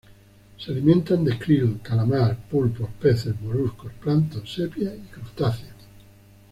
Se alimentan de krill, calamar, pulpos, peces, moluscos, plancton, sepia, y crustáceos.